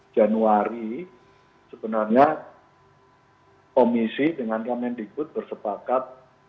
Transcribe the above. januari sebenarnya komisi dengan yang mendikbud bersepakat